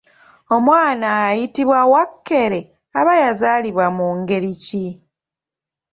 Omwana ayitibwa “Wakkere” aba yazaalibwa mu ngeri ki?